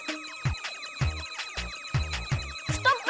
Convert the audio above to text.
ストップ！